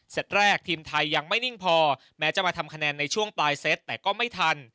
แรกทีมไทยยังไม่นิ่งพอแม้จะมาทำคะแนนในช่วงปลายเซตแต่ก็ไม่ทัน